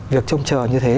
việc trông chờ như thế